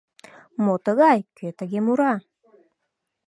Мо тыгай, кӧ тыге мура?